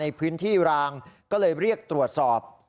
ในพื้นที่รางก็เลยเรียกตรวจสอบ